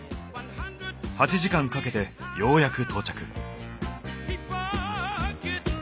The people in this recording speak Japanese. ８時間かけてようやく到着。